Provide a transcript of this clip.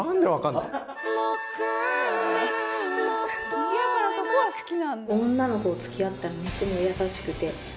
にぎやかなとこは好きなんだ。